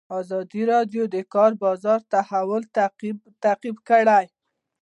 ازادي راډیو د د کار بازار د تحول لړۍ تعقیب کړې.